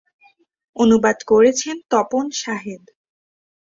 অনুবাদ করেছেন তপন শাহেদ।